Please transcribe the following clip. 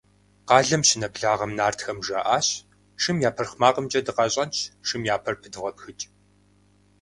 Къалэм щынэблагъэм, нартхэм жаӏащ: – Шым я пырхъ макъымкӏэ дыкъащӏэнщ, шым я пэр пыдвгъэпхыкӏ.